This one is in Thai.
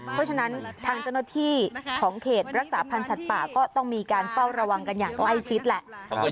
เพราะฉะนั้นทางเจ้าหน้าที่ของเขตรักษาพันธ์สัตว์ป่าก็ต้องมีการเฝ้าระวังกันอย่างใกล้ชิดแหละ